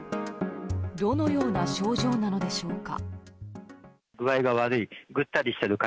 どのような症状なのでしょうか。